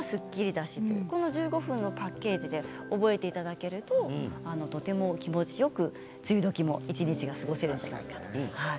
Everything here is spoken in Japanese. １５分のパッケージで覚えていただけるととても気持ちよく梅雨時の一日が過ごせるんじゃないかと思います。